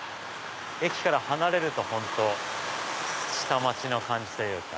駅から離れると本当下町の感じというか。